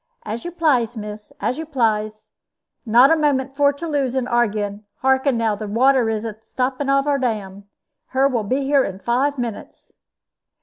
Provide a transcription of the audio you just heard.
"As you plaise, miss, as you plaise. Not a moment for to lose in arguing. Harken now, the water is atopping of our dam. Her will be here in five minutes."